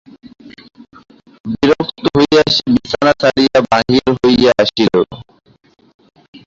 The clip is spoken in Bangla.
বিরক্ত হইয়া সে বিছানা ছাড়িয়া বাহির হইয়া আসিল।